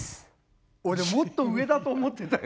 俺もっと上だと思ってたよ。